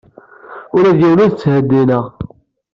Ula d yiwen ur t-ttheddineɣ.